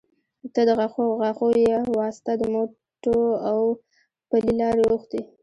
ته د غاښو يه واسطه د موټو او پلې لارې اوښتي